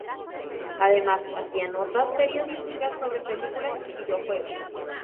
Además hacía notas periodísticas sobre películas y videojuegos.